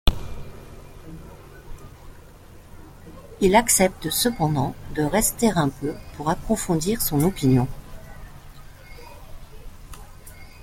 Il accepte cependant de rester un peu pour approfondir son opinion.